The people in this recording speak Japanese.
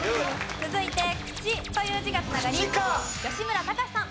続いて「口」という字が繋がり吉村崇さん。